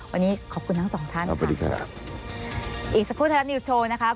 วันนี้ขอบคุณทั้งสองท่านค่ะค่ะอีกสักครู่เท่านิวส์โชว์นะคะ